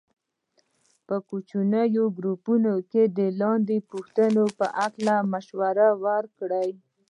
په کوچنیو ګروپونو کې د لاندې پوښتنې په هکله مشوره وکړئ.